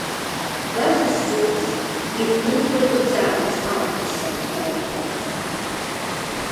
Dažas sugas ir introducētas ārpus sava areāla.